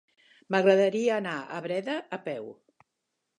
M'agradaria anar a Breda a peu.